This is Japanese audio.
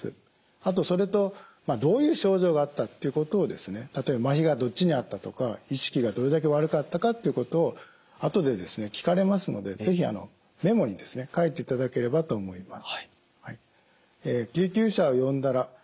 あとそれとどういう症状があったということを例えばまひがどっちにあったとか意識がどれだけ悪かったかということを後で聞かれますので是非メモに書いていただければと思います。